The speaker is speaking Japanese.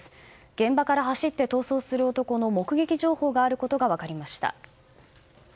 現場から走って逃走する男の目撃情報があることが分かりました。